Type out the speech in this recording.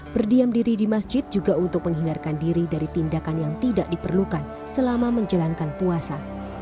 berdiam diri di masjid juga untuk menghindarkan diri dari tindakan yang tidak diperlukan selama menjalankan puasa